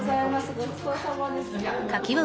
ごちそうさまです。